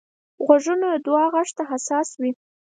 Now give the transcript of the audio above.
غوږونه د دعا غږ ته حساس وي